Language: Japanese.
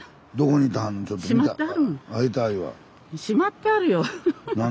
しまってあるの。